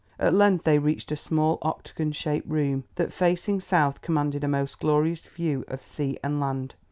At length they reached a small octagon shaped room that, facing south, commanded a most glorious view of sea and land.